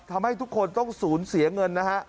ทำให้ทุกคนต้องสูญเสียเงินนะฮะ